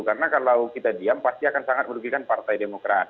karena kalau kita diam pasti akan sangat merugikan partai demokrat